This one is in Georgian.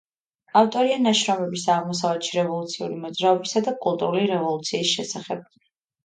ავტორია ნაშრომებისა აღმოსავლეთში რევოლუციური მოძრაობისა და კულტურული რევოლუციის შესახებ.